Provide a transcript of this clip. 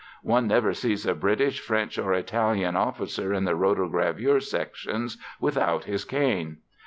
One never sees a British, French or Italian officer in the rotogravure sections without his cane.